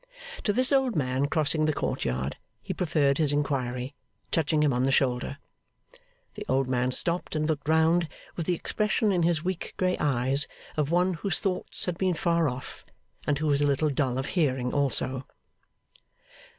To this old man crossing the court yard, he preferred his inquiry, touching him on the shoulder. The old man stopped and looked round, with the expression in his weak grey eyes of one whose thoughts had been far off, and who was a little dull of hearing also.